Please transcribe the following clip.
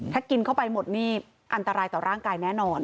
ถ้ากินเข้าไปหมดนี่อันตรายต่อร่างกายแน่นอน